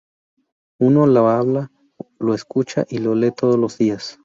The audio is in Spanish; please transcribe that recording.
Uno lo habla, lo escucha y lo lee todos los días.